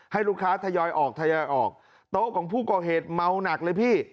ให้ลูกค้าทยอยออกทยอยออกโต๊ะของผู้ก่อเหตุเมาหนักเลยพี่